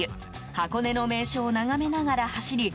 箱根の名所を眺めながら走り